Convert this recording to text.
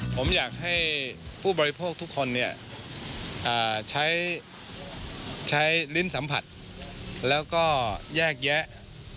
ผมอยากให้ผู้บริโภคทุกคนใช้ลิ้นสัมผัสแล้วก็แยกแยะ